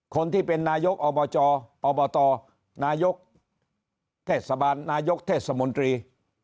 คนที่เป็นนายกอบจอบตนายกเทศบาลนายกเทศมนตรี